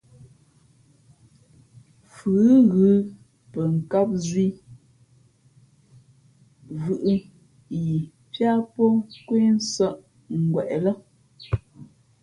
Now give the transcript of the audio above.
Fʉ ghʉ pαkām zī vʉ̄ʼʉ yi piá pō nkwé nsᾱʼ ngweʼ lά.